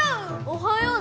おそよう！